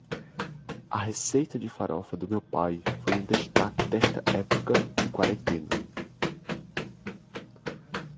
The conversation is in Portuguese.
A receita de farofa do meu pai foi um destaque desta época de quarentena.